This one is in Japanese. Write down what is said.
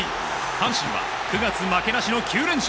阪神は９月負けなしの９連勝。